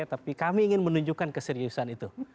tapi kami ingin menunjukkan keseriusan itu